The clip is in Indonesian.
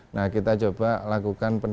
nah kita coba lakukan peneliti